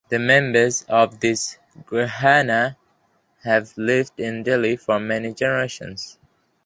The members of this gharana have lived in Delhi for many generations.